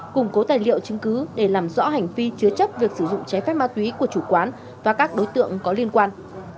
củng cố tài liệu chứng cứ để làm rõ hành vi chứa chấp việc sử dụng trái phép ma túy của chủ quán và các đối tượng có liên quan